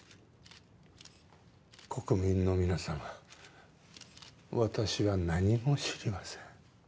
国民の皆様私は何も知りません。